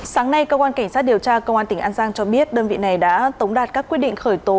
sáng nay cơ quan cảnh sát điều tra công an tỉnh an giang cho biết đơn vị này đã tống đạt các quyết định khởi tố